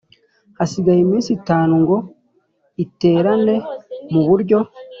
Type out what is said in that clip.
hasigaye iminsi itanu ngo iterane mu buryo